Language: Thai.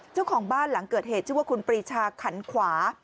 เจ้าของบ้านหลังเกิดเหตุชื่อว่าคุณปรีชาขันขวา